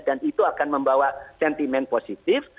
dan itu akan membawa sentiment positif